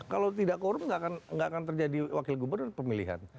kalau tidak korup nggak akan terjadi wakil gubernur pemilihan